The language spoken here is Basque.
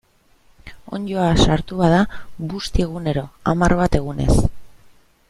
Onddoa sartu bada, busti egunero, hamar bat egunez.